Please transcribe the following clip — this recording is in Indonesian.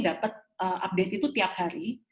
dapat update itu tiap hari